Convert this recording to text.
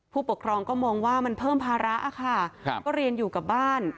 ผู้ปกครองก็มองว่ามันเพิ่มภาระค่ะก็เรียนอยู่กับบ้าน